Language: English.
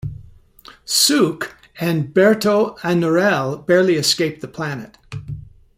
Suk and Berto-Anirul barely escaped the planet.